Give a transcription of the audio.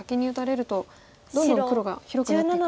どんどん黒が広くなっていく。